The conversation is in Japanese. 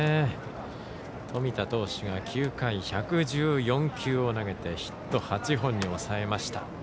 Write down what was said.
冨田投手が９回１１４球を投げてヒット８本に抑えました。